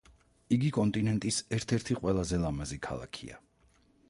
იგი კონტინენტის ერთ-ერთი ყველაზე ლამაზი ქალაქია.